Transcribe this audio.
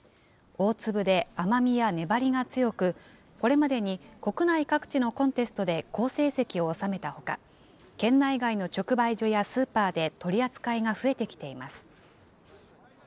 大粒で甘みや粘りが強く、これまでに国内各地のコンテストで好成績を収めたほか、県内外の直売所やスーパーで取り扱いが増えてきています。